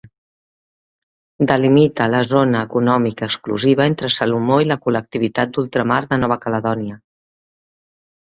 Delimita la zona econòmica exclusiva entre Salomó i la col·lectivitat d'ultramar de Nova Caledònia.